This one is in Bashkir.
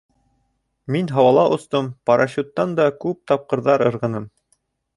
Мин һауала остом, парашюттан да күп тапҡырҙар ырғыным.